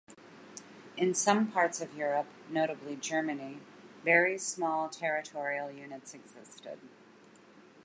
In some parts of Europe, notably Germany, very small territorial units existed.